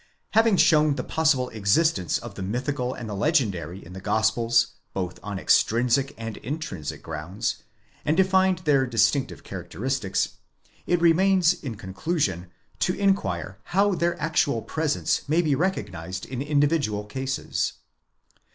Having shown the possible existence of the mythical and the legendary in the Gospels, both on extrinsic and intrinsic grounds, and defined their distinc tive characteristics, it remains in conclusion to inquire how their actual pre sence may be recognised in individual cases?